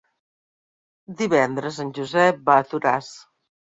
Divendres en Josep va a Toràs.